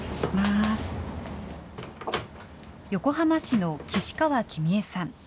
横浜市の岸川紀美恵さん。